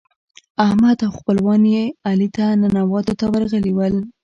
احمد او خپلوان يې علي ته ننواتو ته ورغلي ول.